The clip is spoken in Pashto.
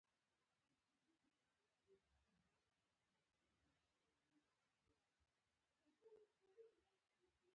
سبزیجات باید په مناسبه توګه کښت شي ترڅو ښه حاصل ترلاسه شي.